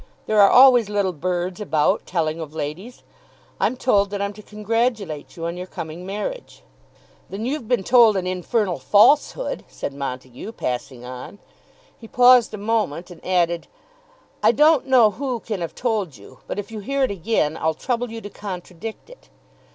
There are always little birds about telling of ladies. I'm told that I'm to congratulate you on your coming marriage." "Then you've been told an infernal falsehood," said Montague passing on. He paused a moment and added, "I don't know who can have told you, but if you hear it again, I'll trouble you to contradict it."